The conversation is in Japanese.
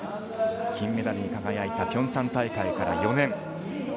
金メダルに輝いたピョンチャン大会から４年。